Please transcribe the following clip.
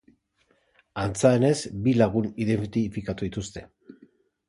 Antza denez, bi lagun identifikatu dituzte.